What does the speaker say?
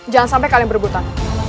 jangan sampai kalian berbutan